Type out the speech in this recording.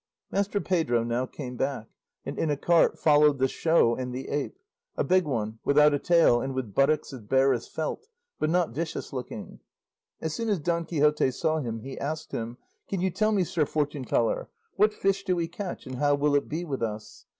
Master Pedro now came back, and in a cart followed the show and the ape a big one, without a tail and with buttocks as bare as felt, but not vicious looking. As soon as Don Quixote saw him, he asked him, "Can you tell me, sir fortune teller, what fish do we catch, and how will it be with us?